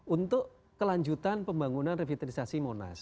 untuk kelanjutan pembangunan revitalisasi monas